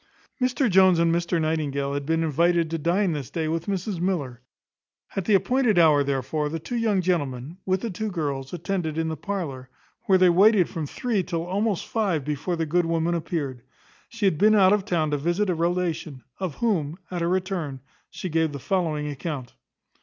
Mr Jones and Mr Nightingale had been invited to dine this day with Mrs Miller. At the appointed hour, therefore, the two young gentlemen, with the two girls, attended in the parlour, where they waited from three till almost five before the good woman appeared. She had been out of town to visit a relation, of whom, at her return, she gave the following account.